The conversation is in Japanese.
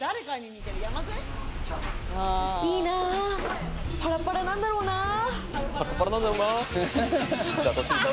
いいなぁ、パラパラなんだろうなぁ。